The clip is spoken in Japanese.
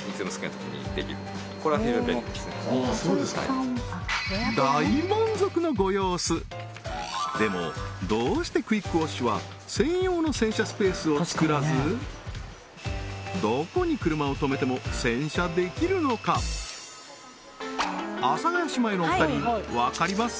お客さんものご様子でもどうしてクイックウォッシュは専用の洗車スペースを作らずどこに車をとめても洗車できるのか阿佐ヶ谷姉妹のお二人分かります？